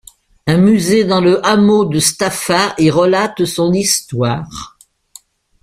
Un musée dans le hameau de Staffa y relate son histoire.